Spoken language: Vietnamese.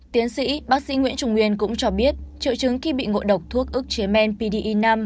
tiến sĩ bác sĩ nguyễn trung nguyên cũng cho biết triệu chứng khi bị ngộ độc thuốc ức chế men pdi năm